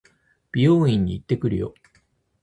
美容院に行ってくるよ。